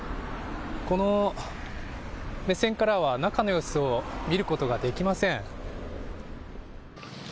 この目線からは、中の様子を見ることができません。